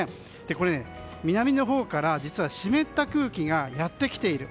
これ南のほうから湿った空気がやってきている。